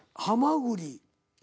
「はまぐり」？